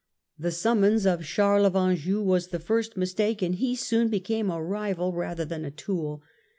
The summons of Charles of Anjou was the first mistake, and he soon became a rival rather than a tool.